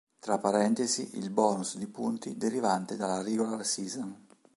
Tra parentesi il bonus di punti derivante dalla regular season.